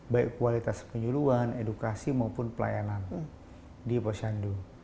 baik kualitas penyuluan edukasi maupun pelayanan di puskesmas